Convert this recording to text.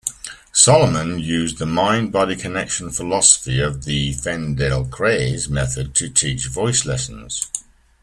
Solomon used the mind-body connection philosophy of the Feldenkrais method to teach voice lessons.